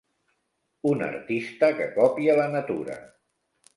Un artista que copia la natura.